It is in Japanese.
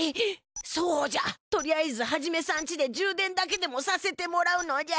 そうじゃとりあえずハジメさんちで充電だけでもさせてもらうのじゃ！